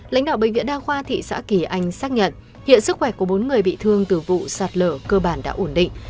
lãnh đạo bệnh viện đa khoa thị xã kỳ anh xác nhận hiện sức khỏe của bốn người bị thương từ vụ sạt lở cơ bản đã ổn định